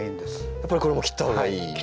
やっぱりこれも切った方がいいんですね。